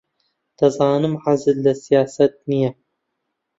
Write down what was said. دەزانم حەزت لە سیاسەت نییە.